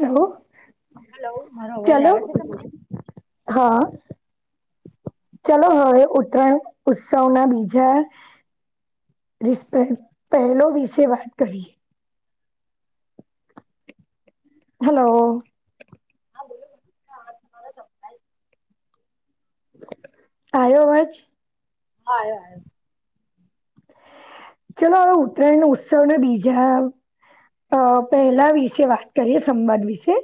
Hello hello મારો અવાજ ચાલો આવે છે તમને હા ચલો હવે ઉત્તરાયણ ઉત્સવના બીજા રિસ્પે પહેલો વિશે વાત કરીએ હલો હા બોલો બોલો. હા, અવાજ તમારો આવ્યો અવાજ હા ચલો હવે ઉત્તરાયણ નો ઉત્સવ ને બીજા અ પહેલા વિશે વાત કરીએ સંવાદ વિશે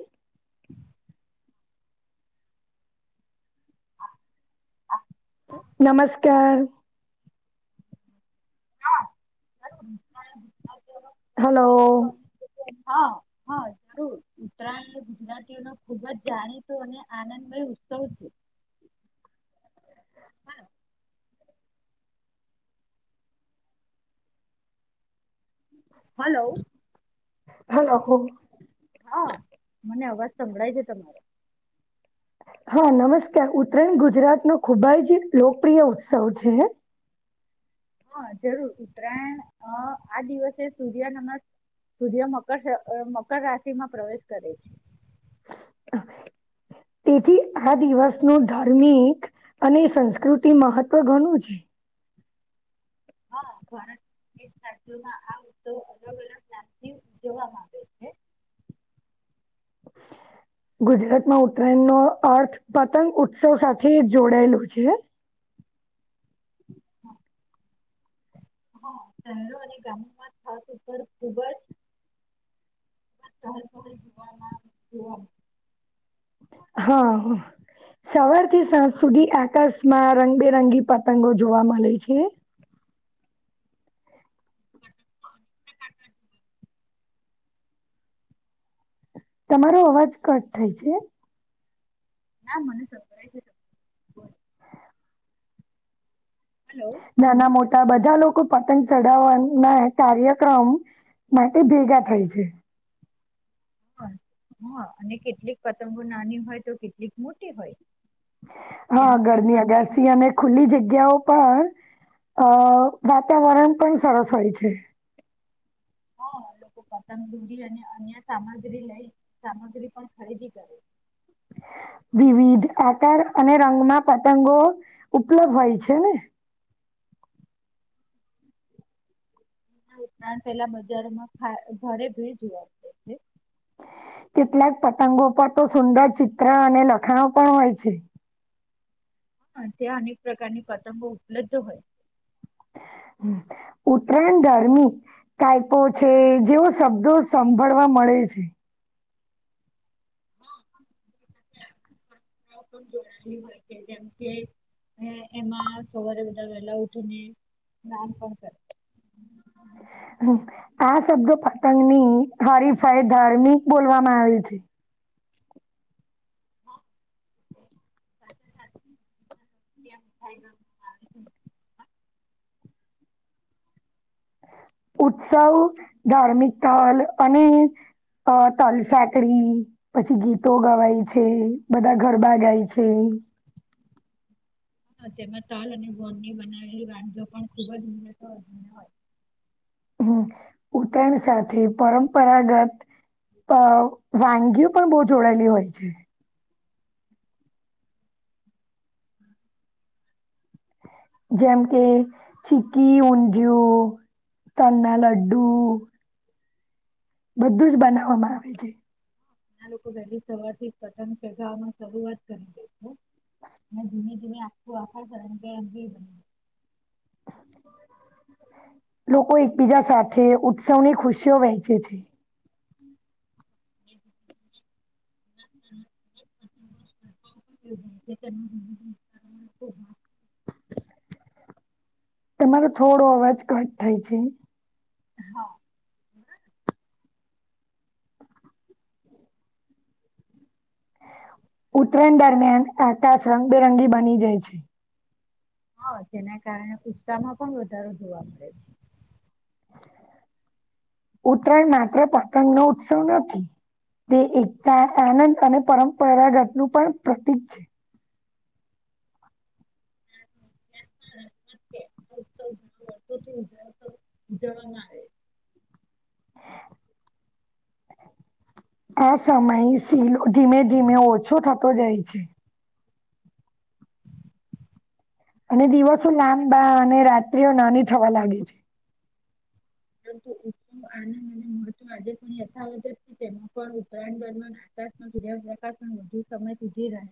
હ નમસ્કાર હા હલો આવ્યો. હા જરૂર. ઉત્તરાયણ ગુજરાતીઓ ન ખુબ જ જાણીતો અને આનંદમય ઉત્સવ છે [inaudible] હલો હલો હો હા અવાજ સંભળાય છે તમારે હ હા નમસ્કાર ઉત્તરાયણ ગુજરાત નો ખુબ જ લોકપ્રિય ઉત્સવ છે. હા જરૂર ઉત્તરાયણ આ દિવસે સૂર્ય નમસ સૂર્ય મકર મકર રાશિ માં પ્રવેશ કરે છે. હ તેથી આ દિવસ ન ધાર્મિક અને સંસ્કૃતિ મહત્વ ઘણું છે. હા ભારત રાજ્યોમાં આ ઉત્સવ અલગ અલગ નામથી ઉજવવામાં આવે છે. [inaudible] [inaudible] ગુજરાતમાં ઉત્તરાયણ નો અર્થ પતંગ ઉત્સવ સાથે જોડાયેલો છે. હમ હા શહેરો અને ગામોમાં ખાસ ઉપર ખુબ જ જોવા આવે હા સવાર થી સાંજ સુધી આકાશમાં રંગબેરંગી પતંગો જોવા મળે છે [inaudible] તમારો અવાજ કટ થાય છે ના મને સભરાય છે હલો નાના મોટા બધા લોકો પતંગ ચડાવવાના કાર્યક્રમ માટે ભેગા થાય છે હ હા અને કેટલીક પતંગો નાની હોય તો કેટલીક મોટી હોય હા તેમાં પણ ઘરની પતંગ અગાસી અને ખુલ્લી જગ્યાઓ પણ અ વાતાવરણ પણ સરસ હોય છે હા લોકો પતંગ દૂરી અને અન્ય સામગ્રી લઈ સામગ્રી પણ ખરીદી કરે [inaudible] વિવિધ આકાર અને રંગમાં પતંગો ઉપલબ્ધ હોય છે ને [inaudible] ઉતરાયણ પેલા બજારમાં ઘરે ભીડ જોવા મળે છે [inaudible] કેટલાક પતંગો પર તો સુંદર ચિત્ર અને લખાણો પણ હોય છે હ ત્યાં અનેક પ્રકારની પતંગો ઉપલબ્ધ હોય ઉત્તરાયણ ધર્મી કાઈપો છે જેવો શબ્દો સંભળવા મળે છે [inaudible] જોડેલી હોય છે જેમ કે અને એમાં સવારે બધા વેલા ઉઠીને સ્નાન પણ કરે હમ હુ આ શબ્દો પતંગની હરીફાઈ ધાર્મિક બોલવામાં આવે છે [inaudible] [inaudible] ઉત્સવ ધાર્મિક સ્થલ અને અ તલસાકડી પછી ગીતો ગવાય છે બધા ગરબા ગાય છે હમ હશે તેમાં તાલ અને ગોળની બનાવેલી વાનગી પણ ખુબ જ ઉ હોય હમ ઉતરાયણ સાથે પરંપરાગત અ વાનગીઓ પણ બહુ જોડાયેલી હોય છે જેમ કે ચીકી ઊંધયું તલના લડ્ડુ બધું જ બનાવવામાં આવે છે ઘણા લોકો વહેલી સવાર થી જ પતંગ ચગાવા શરૂઆત કરી દે છે અને ધીમે ધીમે આખું આખર કરને બે બ [inaudible] લોકો એકબીજા સાથે ઉત્સવની ખુશીઓ વહેંચે છે [inaudible] ખુબજ છે તમારો થોડો અવાજ ઘટ થાય છે હા ઉતરાયણ દરમિયાન આકાશ રંગબેરંગી બની જાય છે હા જેના કારણે ઉત્સાહમાં પણ વધારો જોવા મળે છે ઉત્તરાયણ માત્ર પતંગ નો ઉત્સવ નથી તે એકતા આનંદ અને પરંપરાગતનુંહુ પણ પ્રતીક છે [inaudible] ગણપતિ ઉતસ્વ ઉજવવામાં આવે છે [inaudible] આ સમય શિલો ધીમે ધીમે ઓછો થતો જાય છે. અને દિવસો છે. લાંબા અને રાત્રિઓ નાની થવા લાગે છે. પરંતુ આનંદ અને મહત્વ આજે પણ યથાવત છે. તેમાં પણ ઉતરાયણ દરમિયાન આકાશમાં પણ વધુ સમય સુધી રહે.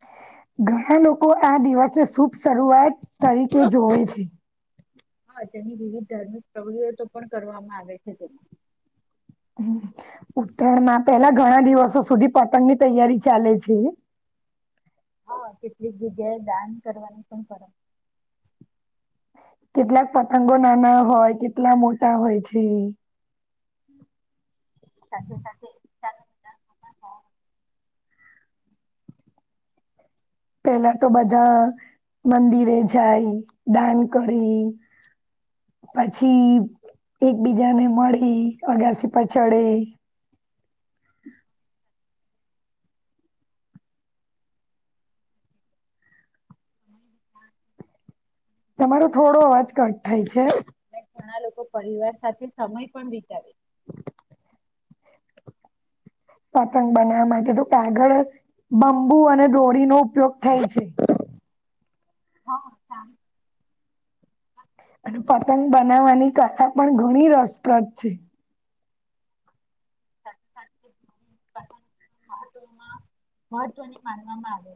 હ [unintelligible] ઘણા લોકો આ દિવસને શુભ શરૂઆત તરીકે જોવે છે. હા તેની વિવિધ ધાર્મિક પ્રવૃઓ તો પણ કરવામાં આવે છે. તેમાં ઉતરાયણ માં પેલા ઘણા દિવસો સુધી પતંગની તૈયારી ચાલે છે. [inaudible] હા કેટલીક જગ્યાએ ડાન્સ કરવાની પણ ફ કેટલાક પતંગો નાના હોય કેટલા મોટા હોય છે. સાથે સાથે ચાલો ઉતરાયણ માં પેલા તો બધા મંદિરે જાય દાન કરી પછીઈ એકબીજાને મળી અગાસીપ ચડે. [inaudible] તમારો થોડો અવાજ કટ થાય છે. ઘણા લોકો પરિવાર સાથે સમય પણ વિતાવે છે. [inaudible] પતંગ બનાવવા માટે તો કાગળ બંબુ અને દોરીનો ઉપયોગ થાય છે. [inaudible] હા ના અને પતંગ બનાવવાની કલા પણ, ઘણી રસપ્રદ છે. [inaudible] મહત્વ મહત્વની, માનવામાં આવે.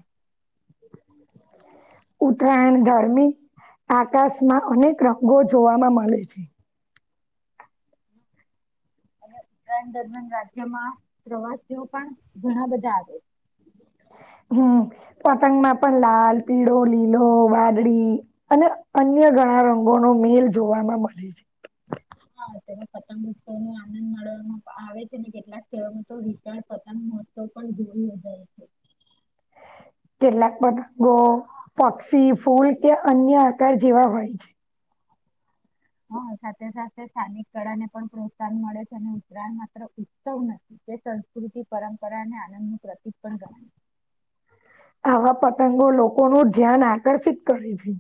ઉતરાયણ, ગરમી આકાશમાં, અનેક રંગો જોવામાં મળે છે. અને ઉત્તરાયણ દરમિયાન રાજ્યમાં, પ્રવાસીઓ પણ ઘણા બધા આવે છે. હમ, પતંગમાં પણ લાલ પીળો લીલો વાદળ અને અન્ ય ઘણા રંગોનો મેલ, જોવામાં મળે છે. હા તેમાં પતંગ ઉત્સવ નો આનંદ માવામાં આવે છે. ને કેટલાક કહેવામાં, તો વિશાળ પતંગ મહોત્સવ પણ [inaudible] [inaudible] કેટલાક બધ, ગો પક્ષી ફૂલ કે અન્ય આકાર જેવા હોય છે. હા. સાથે સાથે સ્થાનિક કળા ને પણ પ્રોત્સાહન મળે છે, અને ઉત્તરાયણ માત્ર ઉત્સવ નથી. તે સંસ્કૃતિ પરંપરા અને આનંદ નું પ્રતિક પણ ગણાય. આવા પતંગો લોકો ન ધ્યાન આકર્ષિત કરે છે.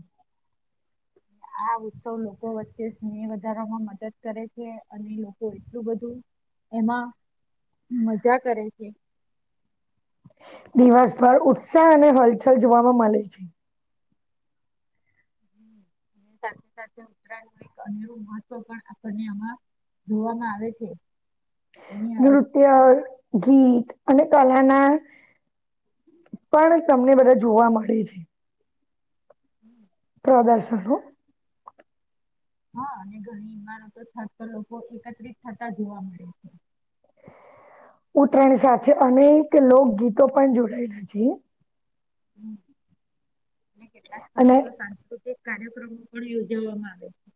આ ઉત્સવ લોકો વચ્ચે સ્નેહ વધારવામાં મદદ કરે છે, અને લોકો એટલું બધું એમાં મજા કરે છે. દિવસભર ઉત્સાહ, અને હલચલ જોવાવામાં મળે છે. [inaudible] સાથે, સાથે ઉત્તરાયણ ન એક અનેરું મહત્વ, પણ આપણને આમાં જોવામાં આવે છે. તેની અ- નૃત્ય, ગીત અને કલા ના પણ, તમને બધા જોવા મળે છે. [inaudible] પ્રદાસનું. હા, અને ઘણી ઈમારતો થત તો લોકો એકત્રિત થતા, જોવા મળે છે. ઉત્તરાયણ સાથે, અનેક લોકગીતો પણ જોડાયેલા છે. હ ને, કેટલાક અને સ્થળોતો સાંસ્કૃતિક કાર્યક્રમો પણ યોજવામાં, આવે છે.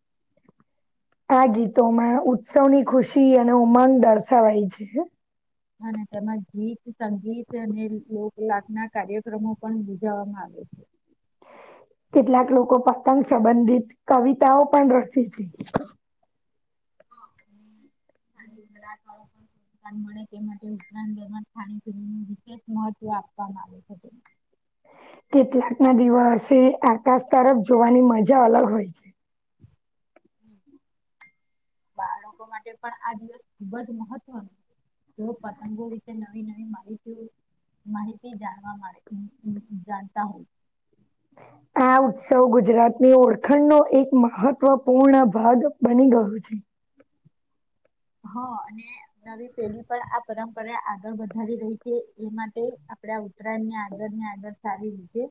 આ ગીતોમાં ઉત્સવની, ખુશી અને ઉમંગ દર્શાવાય છે. અને તેમાં ગીત સંગીત, અને લોકનાક ના કાર્યક્રમો પણ યોજાવામાં આવે. છે [inaudible] કેટલાક લોકો, પતંગ સંબંધિત કવિતાઓ પણ રચે છે. [inaudible] [unintelligible] મળે તે માટે ઉત્તરાયણ [unintelligible] એક મહત્વ આપવામાં આવ [inaudible] કેટલાક ના દિવસે આકાશ, તરફ જોવાની મજા અલગ હોય છે. [inaudible] બાળકો માટે પણ આ દિવસ ખુબજ, મહત્વનો તો પતંગો રીતે નવી, નવી માહિતી. માહિતી જાણવા, મરે જાણતા હોય. [inaudible] આ ઉત્સવ ગુજરાતની ઓળખણનો, એક મહત્વપૂર્ણ ભાગ, બની ગયો છે. હ અને નવી, પેઢી પણ આ પરંપરા આગળ વધારી રહી, તે એ માટે. પડા ઉત્તરાયણની આદર ની આદર સારી, રીતે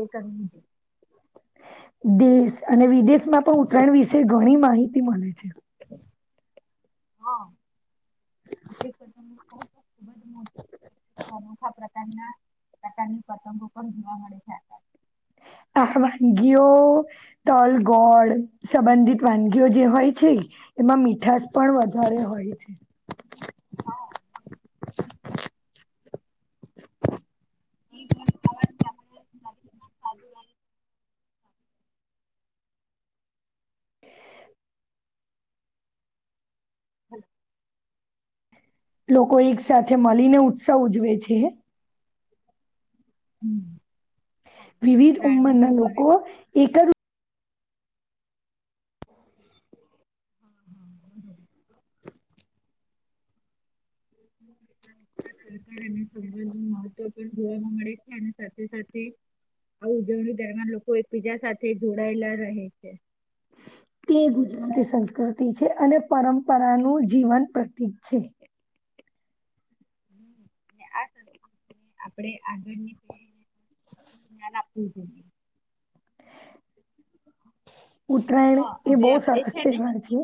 એ કર્યું છે. [inaudible] દેશ અને વિદેશમાં પણ ઉત્તરાયણ વિશે, ઘણી માહિતી મળી છે. હા, અનોખા પ્રકારના, પ્રકારની પતંગો પણ જોવા, મળે હતા. [inaudible] આ વાનગીઓ તલ ગોળ સંબંધિત વાનગીઓ જે હોય છે. એમાં મીઠાસ પણ વધારે હોય છે. હા, [unintelligible] [inaudible] એ ઘણી [inaudible] [inaudible] હ [unintelligible] લોકો એક સાથે મળીને ઉત્સવ ઉજવે છે હે. હમ. વિવિધ ઉંમરના લોકો એકજ હા હા બરોબર [unintelligible] અને સંબંધ નું મહત્વ પણ જોવા મળે છે ને સાથે સાથે આ ઉજવણી દરમિયાન લોકો એકબીજા સાથે જોડાયેલા રહે છે. તે ગુજરાતી સંસ્કૃતિ છે અને પરંપરાનું જીવન પ્રતીક છે. હ ને આ સંકૃતિને આપડે આગળની તે ન્યાલ આપવું જોઈએ ઉત્તરાયણ હા એ બઉ હવે આપણે સરસ છે ને તહેવાર છે.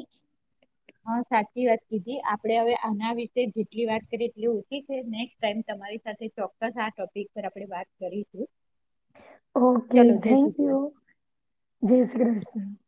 હા સાચી વાત કીધી આપડે હવે આના વિશે જેટલી વાત કરીએ એટલી ઓછી છે નેક્સ ટાઈમ તમ મારી સાથે ચોક્કસ આ ટોપિક પર આપડે વાત કરીશું. ઓકે ચલો જય થેન્ક શ્રી કૃષ્ણ યુ જય શ્રી કૃષ્ણ. [inaudible]